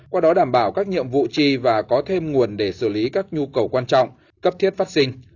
qua đó đảm bảo các nhiệm vụ chi và có thêm nguồn để xử lý các nhu cầu quan trọng cấp thiết phát sinh